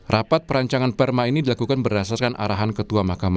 rapat perancangan perma ini dilakukan berdasarkan arahan ketua ma no dua ratus empat